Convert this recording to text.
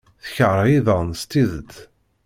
Tekṛeh iḍan s tidet.